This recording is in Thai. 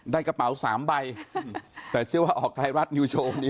กระเป๋าสามใบแต่เชื่อว่าออกไทยรัฐนิวโชว์นี้